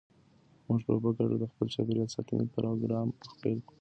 موږ به په ګډه د خپل چاپیریال ساتنې پروګرام پیل کړو.